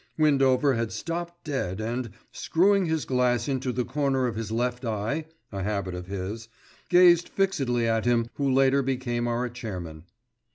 Windover had stopped dead and, screwing his glass into the corner of his left eye, a habit of his, gazed fixedly at him who later became our chairman.